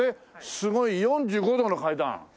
すごい４５度の階段。